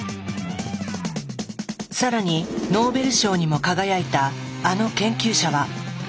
さらにノーベル賞にも輝いたあの研究者はこんな事実も。